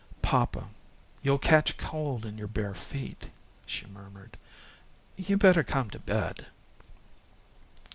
"Papa, you'll catch cold in your bare feet," she murmured. "You better come to bed."